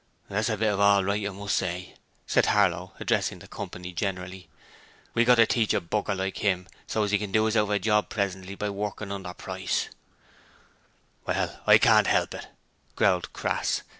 'That's a bit of all right, I must say,' Harlow said, addressing the company generally. 'We've got to teach a b r like 'im so as 'e can do us out of a job presently by working under price.' 'Well, I can't 'elp it,' growled Crass.